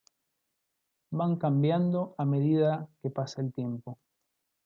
Van cambiando a medida que pasa el tiempo.